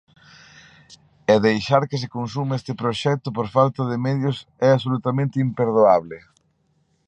E deixar que se consuma este proxecto por falta de medios é absolutamente imperdoable.